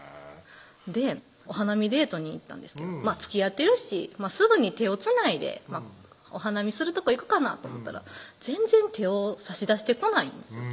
お花見デートに行ったんですけどつきあってるしすぐに手をつないでお花見するとこ行くかなと思ったら全然手を差し出してこないんですよ